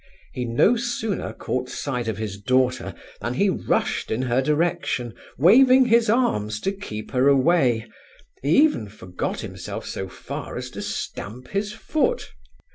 He no sooner caught sight of his daughter, than he rushed in her direction, waving his arms to keep her away; he even forgot himself so far as to stamp his foot.